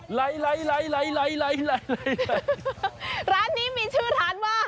ไหลไล่ไหลร้านนี้มีชื่อร้านว่า